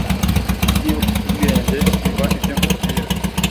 niba ufite ubwenge, umva ibyo nkubwira